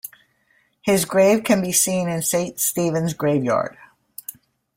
His grave can be seen in Saint Stephen's graveyard.